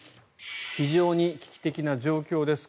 非常に危機的な状況です。